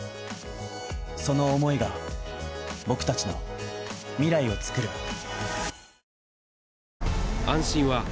その思いが僕達の未来をつくる